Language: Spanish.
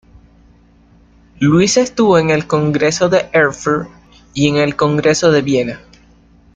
Luis estuvo en el Congreso de Erfurt y en el Congreso de Viena.